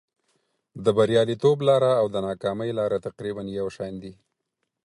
د بریالیتوب لاره او د ناکامۍ لاره تقریبا یو شان دي.